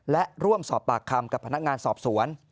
และร่วมสอบปากคำกับพนักงานสอบสวน